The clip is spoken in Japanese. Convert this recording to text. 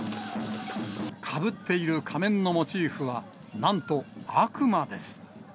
被っている仮面のモチーフは、なんと悪魔です。